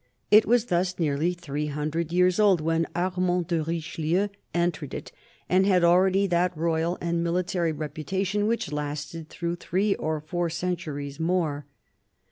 It was thus nearly three hundred years old when Armand de Richelieu entered it, and had already^ that royal and military reputation which lasted throu^ti three or four centuries more.